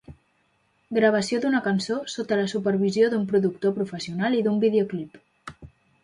Gravació d'una cançó sota la supervisió d'un productor professional i d'un videoclip.